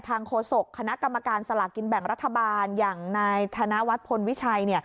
โฆษกคณะกรรมการสลากกินแบ่งรัฐบาลอย่างนายธนวัฒน์พลวิชัย